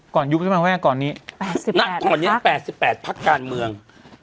ก่อนยุบใช่ไหมว่าก่อนนี้แปดสิบแปดแปดสิบแปดพักการเมือง